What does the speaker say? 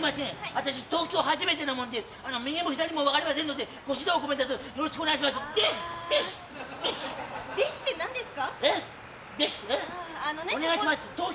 私東京初めてなもんで右も左も分かりませんのでご指導ごべんたつよろしくお願いします！